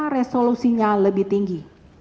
resolusinya lebih tinggi